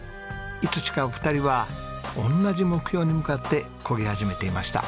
いつしかお二人はおんなじ目標に向かってこぎ始めていました。